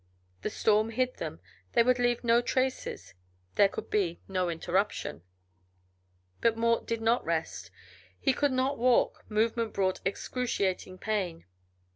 The storm hid them, they would leave no traces, there could be no interruption. But Mort did not rest. He could not walk; movement brought excruciating pain.